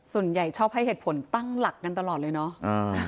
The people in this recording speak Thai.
ชอบให้เหตุผลตั้งหลักกันตลอดเลยเนาะ